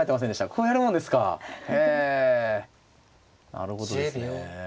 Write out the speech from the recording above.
なるほどですね。